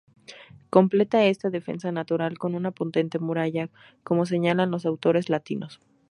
Completa esta defensa natural con una potente muralla como señalan los autores latinos.